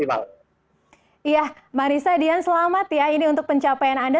iya marisa dian selamat ya ini untuk pencapaian anda